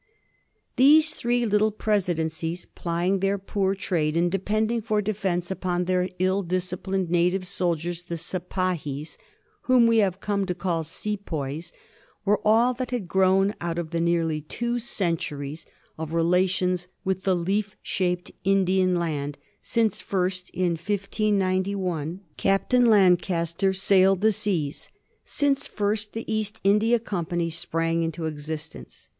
254 A HISTORY OF THE FOUR GEORGES. ch.xxxviii. These three little presidencies, plying their poor trade, and depending for defence upon their ill disciplined native soldiers, the Sepahis, whom we have come to call Sepoys, were all that had grown out of the nearly two centuries of relations with the leaf shaped Indian land since first, in 1591, Captain Lancaster sailed the seas; since first the East India Company sprang into existence.